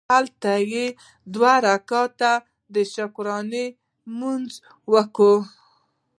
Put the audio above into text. هلته یې دوه رکعته د شکرانې لمونځ وکړ.